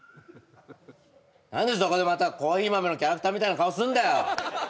何でそこでまたコーヒー豆のキャラクターみたいな顔すんだよ